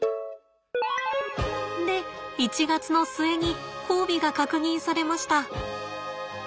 で１月の末に交尾が確認されました。